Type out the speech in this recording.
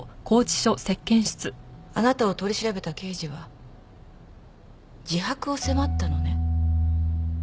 あなたを取り調べた刑事は自白を迫ったのね？